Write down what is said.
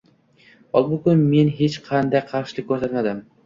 Holbuki, men hech qanday qarshilik ko‘rsatmadim.